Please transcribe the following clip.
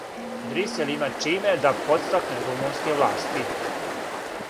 Брисел има чиме да подстакне румунске власти.